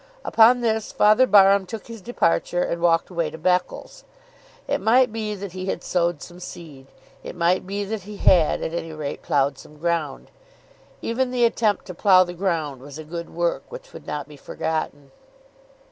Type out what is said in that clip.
Upon this Father Barham took his departure and walked away to Beccles. It might be that he had sowed some seed. It might be that he had, at any rate, ploughed some ground. Even the attempt to plough the ground was a good work which would not be forgotten.